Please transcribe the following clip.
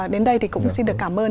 đến đây thì cũng xin được cảm ơn